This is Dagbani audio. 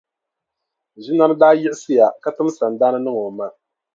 Ʒinani daa yiɣisiya ka tim sandaani niŋ o ma.